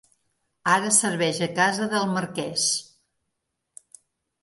Ara serveix a casa del marquès.